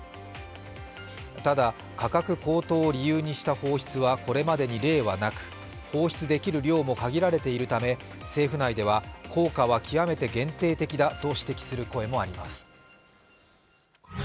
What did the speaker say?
ただ、価格高騰を理由にした放出はこれまでに例はなく放出できる量も限られているため、効果は極めて限定的だと指摘する声もあります。